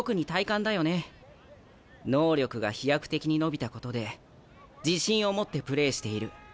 能力が飛躍的に伸びたことで自信を持ってプレーしている。